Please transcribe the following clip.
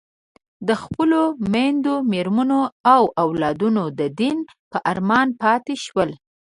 د خپلو میندو، مېرمنو او اولادونو د دیدن په ارمان پاتې شول.